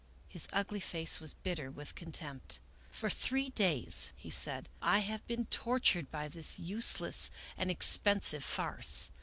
His ugly face was bitter with con tempt. " For three days," he said, " I have been tortured by this useless and expensive farce.